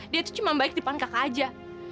dia tuh cuma baik depan kakak aja